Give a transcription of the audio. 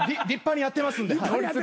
立派にやってますんで。